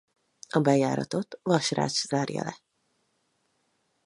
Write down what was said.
A bejáratot vasrács zárja le.